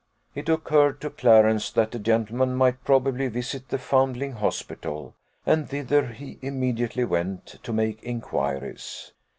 It occurred to Clarence that the gentleman might probably visit the Foundling Hospital, and thither he immediately went, to make inquiries.